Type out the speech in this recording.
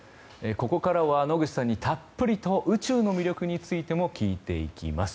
ここからは野口さんにたっぷりと宇宙の魅力についても聞いていきます。